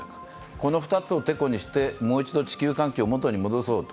この２つをてこにして、もう一度地球環境を元に戻そうと。